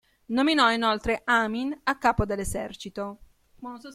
Nominò inoltre Amin a capo dell'esercito.